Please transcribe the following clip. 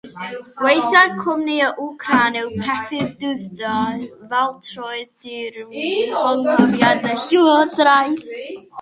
Gweithredai'r cwmni yn Wcráin cyn y preifateiddiwyd ffatrïoedd dur ym mherchnogaeth y llywodraeth.